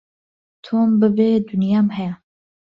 تۆم ببێ دونیام هەیە